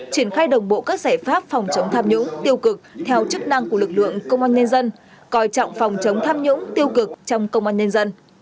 triển khai đồng bộ các giải pháp phòng chống tham nhũng tiêu cực theo chức năng của lực lượng công an nhân dân coi trọng phòng chống tham nhũng tiêu cực trong công an nhân dân